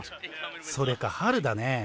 それか春だね。